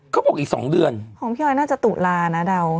เขาบอกอีก๒เดือนของพี่ออยน่าจะตุลานะเดา